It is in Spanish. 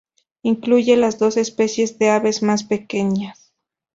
Incluye las dos especies de aves más pequeñas.